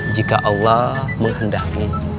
jika allah menghendaki